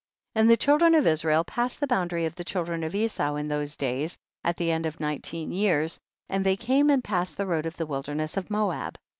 11. And the children of Israel passed the boundary of the children of Esau in those days, at the end of nineteen years, and they came and passed the road of the wilderness of Moab.